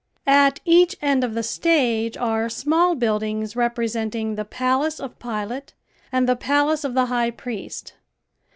At each end of the stage are small buildings representing the Palace of Pilate and the Palace of the High Priest.